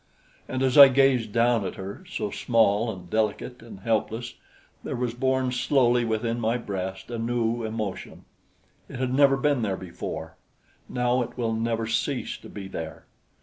And as I gazed down at her, so small and delicate and helpless, there was born slowly within my breast a new emotion. It had never been there before; now it will never cease to be there.